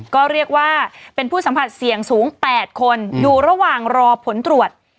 ก็เรียกว่าเป็นผู้สัมผัสเสี่ยงสูง๘คนอยู่ระหว่างรอผลตรวจ